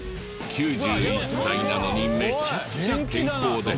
９１歳なのにめちゃくちゃ健康で。